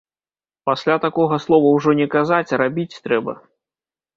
Пасля такога слова ўжо не казаць, а рабіць трэба.